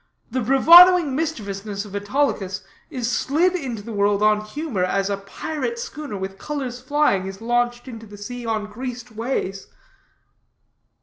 The bravadoing mischievousness of Autolycus is slid into the world on humor, as a pirate schooner, with colors flying, is launched into the sea on greased ways."